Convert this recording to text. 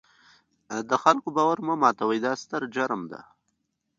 د خلکو باور مه ماتوئ، دا ستر جرم دی.